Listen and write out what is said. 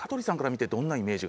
えっどんなイメージ？